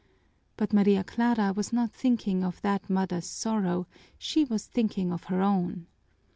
But Maria Clara was not thinking of that mother's sorrow, she was thinking of her own.